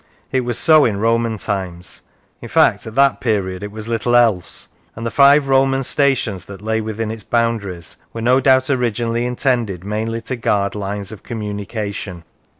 It was so in Roman times in fact at that period it was little else and the five Roman stations that lay within its boundaries were no doubt originally intended mainly to guard lines of communication.